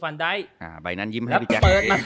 เลิมให้พี่เจ๊